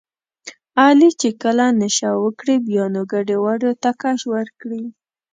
علي چې کله نشه وکړي بیا نو ګډوډو ته کش ورکړي.